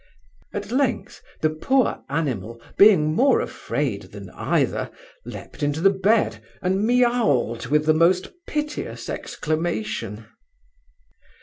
At length, the poor animal, being more afraid than either, leaped into the bed, and meauled with the most piteous exclamation.